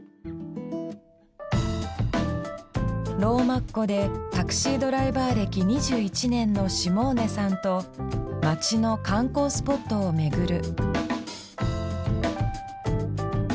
ローマっ子でタクシードライバー歴２１年のシモーネさんと街の観光スポットを巡る。